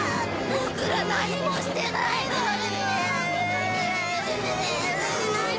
ボクら何もしてないのに。